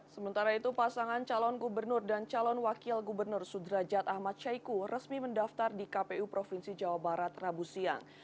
sementara itu pasangan calon gubernur dan calon wakil gubernur sudrajat ahmad syaiqo resmi mendaftar di kpu provinsi jawa barat rabu siang